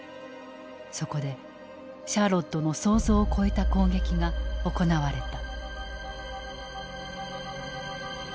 そこでシャーロッドの想像を超えた攻撃が行われた。